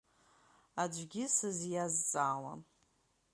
Аӡәгьы сызиазҵаауам…